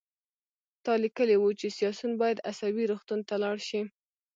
تا لیکلي وو چې سیاسیون باید عصبي روغتون ته لاړ شي